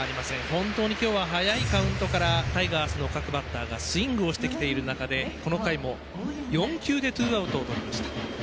本当に今日は早いカウントからタイガースの各バッターがスイングをしてきている中でこの回も、４球でツーアウトをとりました。